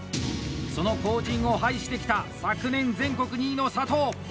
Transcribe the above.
その後じんを拝してきた昨年全国２位の佐藤。